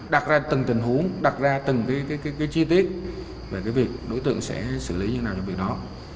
đặt ra từng tình huống đặt ra từng cái chi tiết về cái việc đối tượng sẽ xử lý như thế nào trong việc đó